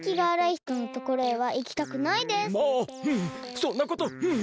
そんなことふんっ！